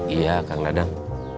iya kang dadang